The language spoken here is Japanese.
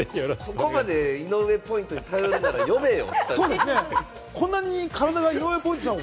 ここまで井上ポイントに頼るなら呼べよ。